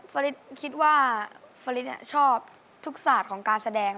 ฟริสคิดว่าฟริสชอบทุกศาสตร์ของการแสดง